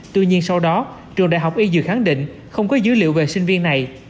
tuy nhiên sau đó trường đại học y dược khẳng định không có dữ liệu về sinh viên này